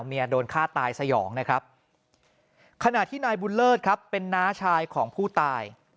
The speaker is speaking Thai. โดนฆ่าตายสยองนะครับขณะที่นายบุญเลิศครับเป็นน้าชายของผู้ตาย